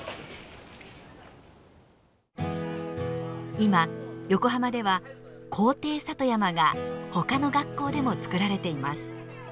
今横浜では「校庭里山」が他の学校でも造られています。